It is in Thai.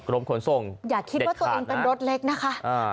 รมขนส่งเด็ดขาดนะอย่าคิดว่าตัวเองเป็นรถเล็กนะคะ